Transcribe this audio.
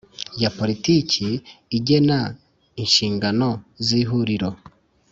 ya Politiki agena inshingano z Ihuriro